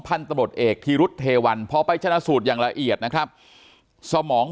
ตำรวจเอกธีรุษเทวันพอไปชนะสูตรอย่างละเอียดนะครับสมอง